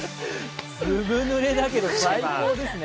ずぶぬれだけど最高ですね。